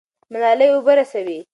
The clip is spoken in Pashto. ملالۍ اوبه رسوي.